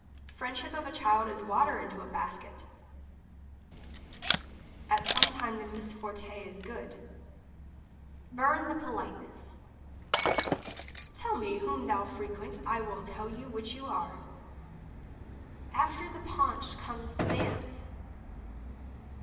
Friendship of a child is water into a basket. At some thing the misforte is good. Burn the politeness. Tell me whom thou frequent, I will tell you which you are. After the paunch comes the dance.